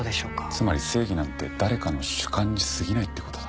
つまり正義なんて誰かの主観にすぎないって事だ。